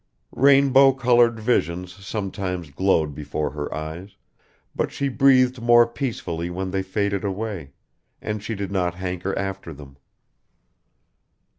Rainbow colored visions sometimes glowed before her eyes, but she breathed more peacefully when they faded away, and she did not hanker after them.